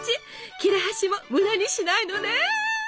切れ端も無駄にしないのね！